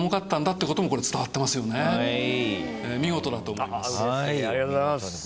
ありがとうございます。